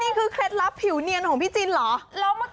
อ๋อนี่คือเคล็ดลับผิวเนียนของพี่จินเหรอ